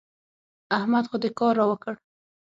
احمد خو دې کار را وکړ.